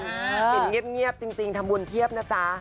เห็นเงียบจริงทำบุญเพียบนะจ๊ะ